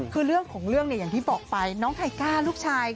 คือเรื่องของเรื่องเนี่ยอย่างที่บอกไปน้องไทก้าลูกชาย